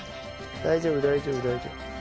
大丈夫大丈夫大丈夫。